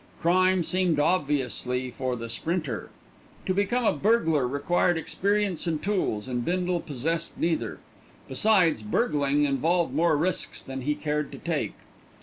Crime seemed obviously for the sprinter. To become a burger required experience and tools, and Bindle possessed neither. Besides, burgling involved more risks than he cared to take.